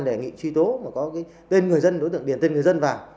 để nghị truy tố và có cái tên người dân đối tượng điền tên người dân vào